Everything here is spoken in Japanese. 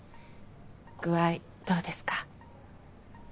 具合どうですか？